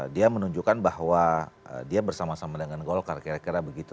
dia menunjukkan bahwa dia bersama sama dengan golkar kira kira begitu